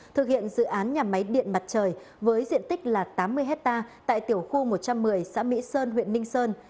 thực hiện dự án nhà máy điện mặt trời với diện tích là tám mươi hectare tại tiểu khu một trăm một mươi xã mỹ sơn huyện ninh sơn